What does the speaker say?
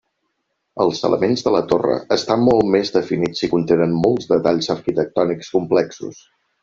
Els elements de la torre estan molt més definits i contenen molts detalls arquitectònics complexos.